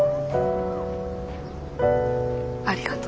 ありがと。